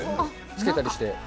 つけたりして。